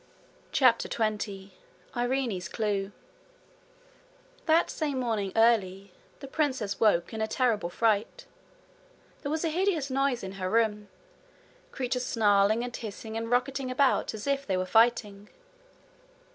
CHAPTER 20 Irene's Clue That same morning early, the princess woke in a terrible fright. There was a hideous noise in her room creatures snarling and hissing and rocketing about as if they were fighting.